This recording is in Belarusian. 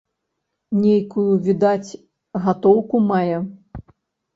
Нейкую, відаць, гатоўку мае.